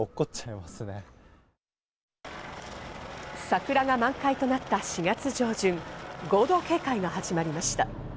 桜が満開となった４月上旬、合同警戒が始まりました。